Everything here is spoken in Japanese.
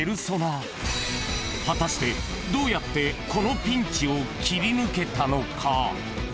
［果たしてどうやってこのピンチを切り抜けたのか？］